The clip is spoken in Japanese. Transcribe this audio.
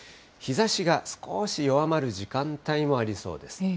日ざしが少し弱まる時間帯もありそうです。